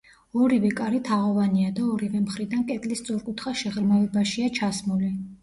ორივე კარი თაღოვანია და ორივე მხრიდან კედლის სწორკუთხა შეღრმავებაშია ჩასმული.